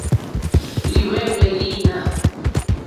Líhwɛ́hwɛ́ lǐnà.